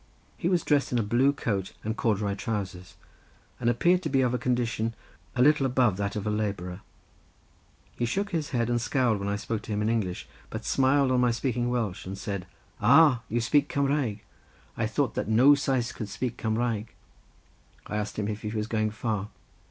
He was dressed in a blue coat and corduroy trowsers and appeared to be of a condition a little above that of a labourer. He shook his head and scowled when I spoke to him in English, but smiled on my speaking Welsh and said: "Ah, you speak Cumraeg: I thought no Sais could speak Cumraeg." I asked him if he was going far.